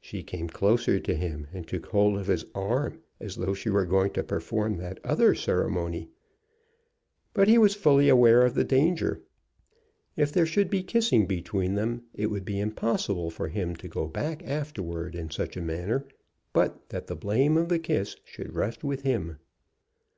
She came closer to him, and took hold of his arm, as though she were going to perform that other ceremony. But he was fully aware of the danger. If there came to be kissing between them it would be impossible for him to go back afterward in such a manner but that the blame of the kiss should rest with him.